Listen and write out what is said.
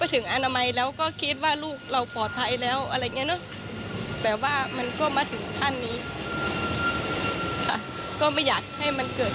ทีมข่าวของเราก็ไปเลยค่ะ